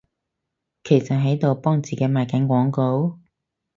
其實喺度幫自己賣緊廣告？